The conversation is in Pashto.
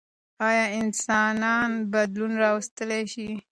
ايا انسانان بدلون راوستلی شي؟